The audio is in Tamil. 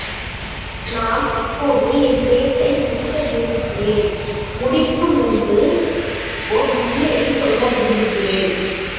நான் இப்போது என் பேச்சை முடிக்க விரும்புகிறேன் முடிக்கு முன்பு ஒரு உண்மையச் சொல்ல விரும்புகிறேன்.